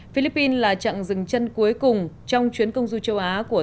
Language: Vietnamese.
philippines là trạng dừng chân cuối cùng trong chuyến công du châu á của tổng thống mỹ donald trump